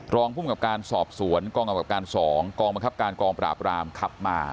รองภูมิกับการสอบสวนกองกำกับการ๒กองบังคับการกองปราบรามขับมา